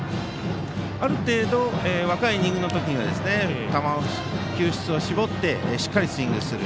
ある程度若いイニングの時には球質を絞ってしっかりスイングする。